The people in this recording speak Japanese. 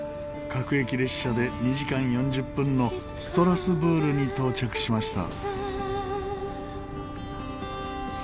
各駅列車で２時間４０分のストラスブールに到着しました。